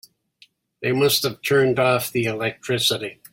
They must have turned off the electricity.